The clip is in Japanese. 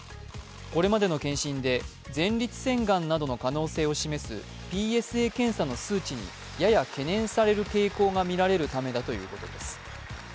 これまでの検診で前立腺がんなどの可能性を示すＰＳＡ検査の数値にやや懸念される傾向が見られるためだということです。